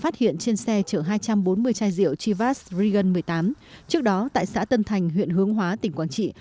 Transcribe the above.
trước đó tại xã tân thành huyện hướng hóa tỉnh quảng trị